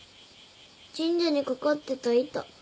神社に掛かってた板。